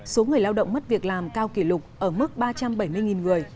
số người lao động mất việc làm cao kỷ lục ở mức ba trăm bảy mươi người